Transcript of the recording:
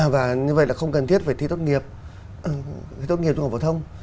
và như vậy là không cần thiết về thi tốt nghiệp trung học phổ thông